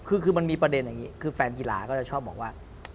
คือมันมีประเด็นอย่างนี้คือแฟนกีฬาก็จะชอบบอกว่า